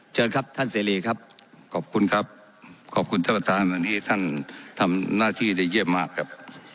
เชิญครับท่านเสรีครับขอบคุณครับขอบคุณท่านประธานวันนี้ท่านทำหน้าที่ได้เยี่ยมมากครับ